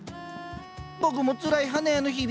僕もつらい花屋の日々。